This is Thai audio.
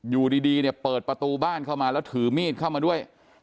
อยู่ดีเนี่ยเปิดประตูบ้านเข้ามาแล้วถือมีดเข้ามาด้วย